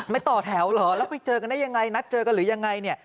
ต่อแถวเหรอแล้วไปเจอกันได้ยังไงนัดเจอกันหรือยังไงเนี่ย